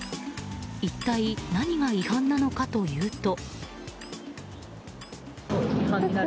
一体、何が違反なのかというと。